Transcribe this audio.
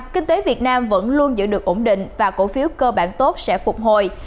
kinh tế việt nam vẫn luôn giữ được ổn định và cổ phiếu cơ bản tốt sẽ phục hồi